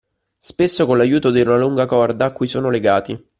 Spesso con l’aiuto di una lunga corda a cui sono legati